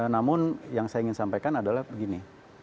namun yang saya ingin sampaikan adalah begini